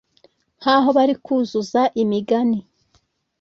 Nkaho bari kuzuza imigani